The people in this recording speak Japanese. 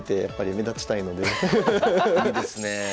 いいですねえ。